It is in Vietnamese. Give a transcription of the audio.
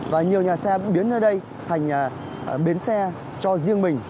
và nhiều nhà xe biến nơi đây thành bến xe cho riêng mình